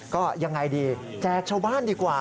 ก็ยังไงดีแจกชาวบ้านดีกว่า